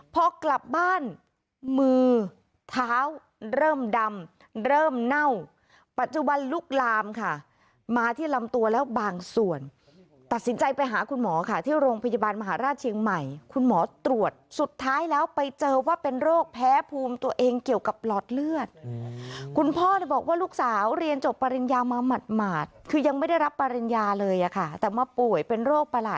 พอกลับบ้านมือเท้าเริ่มดำเริ่มเน่าปัจจุบันลุกลามค่ะมาที่ลำตัวแล้วบางส่วนตัดสินใจไปหาคุณหมอค่ะที่โรงพยาบาลมหาราชเชียงใหม่คุณหมอตรวจสุดท้ายแล้วไปเจอว่าเป็นโรคแพ้ภูมิตัวเองเกี่ยวกับหลอดเลือดคุณพ่อบอกว่าลูกสาวเรียนจบปริญญามาหมาดคือยังไม่ได้รับปริญญาเลยอะค่ะแต่มาป่วยเป็นโรคประหลาด